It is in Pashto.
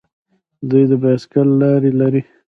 دوی د بایسکل لارې لري.